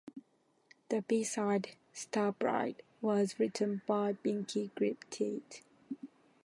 The B-side, "Star Bright," was written by Binky Griptite.